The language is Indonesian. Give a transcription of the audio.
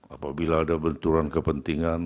apabila ada benturan kepentingan